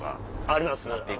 あります。